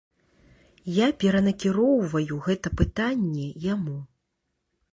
Я перанакіроўваю гэта пытанне яму.